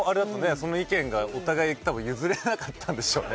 その意見がお互いたぶん譲れなかったんでしょうね。